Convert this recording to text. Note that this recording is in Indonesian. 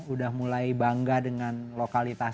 udah mulai bangga dengan lokal indonesia ya